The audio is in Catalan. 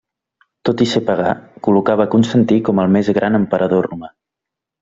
Tot i ser pagà, col·locava a Constantí com el més gran emperador romà.